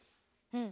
うん。